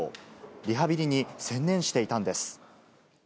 リハビリに専念していたんです。